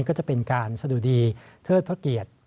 ก็จะเป็นการสะดุดีเทิดพระเกียรติ